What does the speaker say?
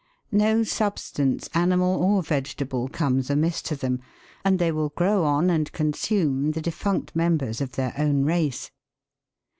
No substance, animal or vegetable, comes amiss to them, and they will grow on and consume the defunct members of their own race.